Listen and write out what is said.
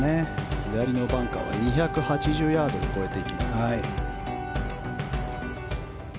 左のバンカーは２８０ヤードで越えていきます。